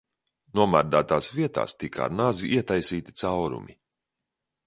Nomērdētās vietās tika ar nazi ietaisīti caurumi.